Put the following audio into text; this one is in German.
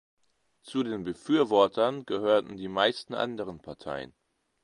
Zu den Befürwortern gehörten die meisten anderen Parteien.